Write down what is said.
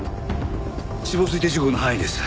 死亡推定時刻の範囲です。